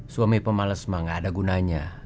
suami pemales mah enggak ada gunanya